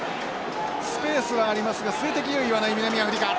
スペースはありますが数的優位はない南アフリカ。